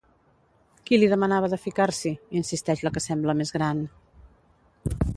Qui li demanava de ficar-s'hi? —insisteix la que sembla més gran.